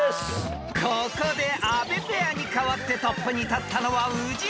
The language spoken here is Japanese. ［ここで阿部ペアにかわってトップに立ったのは宇治原ペア］